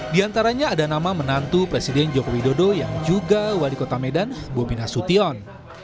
di antaranya ada nama menantu presiden joko widodo yang juga wali kota medan bobi nasution